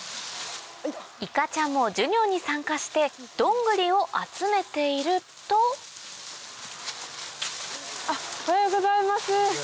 いかちゃんも授業に参加してドングリを集めているとおはようございます。